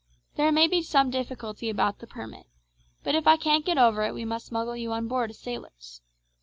There may be some difficulty about the permit; but if I can't get over it we must smuggle you on board as sailors.